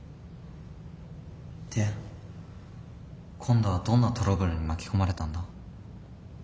で今度はどんなトラブルに巻き込まれたんだ？